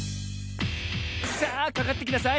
さあかかってきなさい！